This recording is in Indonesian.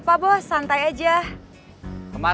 patrign karena basima